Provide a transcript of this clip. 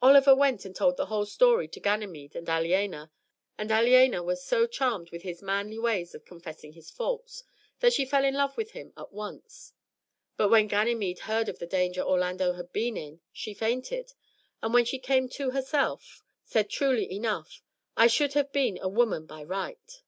Oliver went and told the whole story to Ganymede and Aliena, and Aliena was so charmed with his manly ways of confessing his faults, that she fell in love with him at once. But when Ganymede heard of the danger Orlando had been in she fainted; and when she came to herself, said truly enough, "I should have been a woman by right."